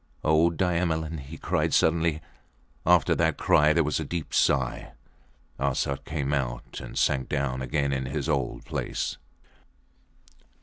O Diamelen! he cried, suddenly. After that cry there was a deep sigh. Arsat came out and sank down again in his old place.